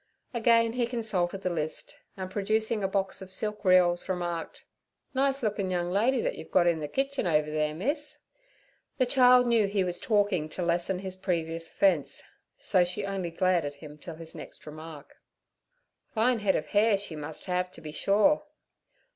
Again he consulted the list, and producing a box of silk reels, remarked: 'Nice lookin' young lady that you've got in ther kitchen over there, miss.' The child knew he was talking to lessen his previous offence, so she only glared at him till his next remark. 'Fine head of hair she must have, to be sure.'